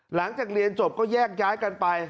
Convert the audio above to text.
หลังจากเรียนจบก็แยกย้ายกันไป